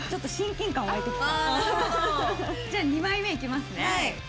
じゃあ２枚目いきますね。